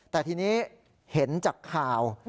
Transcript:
แต่ทีนี้เห็นจากข่าว